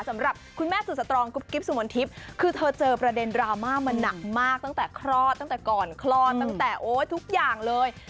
สำหรับคุณแม่สุดสตรองกุ๊บกิ๊บสุมนทิพย์คือเธอเจอประเด็นดราม่ามาหนักมากตั้งแต่คลอดตั้งแต่ก่อนคลอดตั้งแต่โอ๊ยทุกอย่างเลย